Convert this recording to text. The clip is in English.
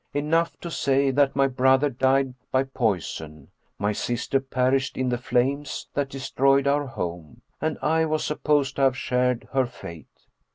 Enough to say that my brother died by poison, my sister perished in the flames that destroyed our home, and I was supposed to have shared her fate.